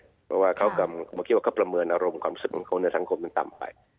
เพราะว่าเขากำลังคิดว่าเขาประเมินอารมณ์ความรู้สึกของคนในสังคมมันต่ำไป